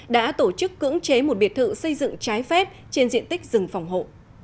đã tổ chức cưỡng chế một biệt thự xây dựng trái phép trên diện tích rừng phòng hộ